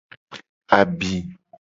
Abi.